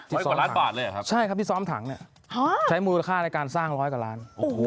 ร้อยกว่าล้านบาทเลยเหรอครับใช่ครับที่ซ้อมถังเนี่ยใช้มูลค่าในการสร้างร้อยกว่าล้านโอ้โห